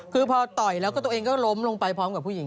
คือพอต่อยแล้วก็ตัวเองก็ล้มลงไปพร้อมกับผู้หญิง